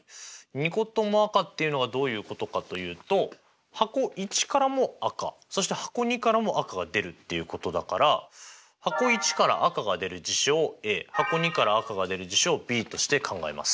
２個とも赤っていうのはどういうことかというと箱①からも赤そして箱②からも赤が出るっていうことだから箱①から赤が出る事象をＡ箱②から赤が出る事象をＢとして考えます。